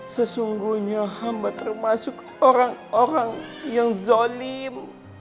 sesungguhnya hamba termasuk orang orang yang zolim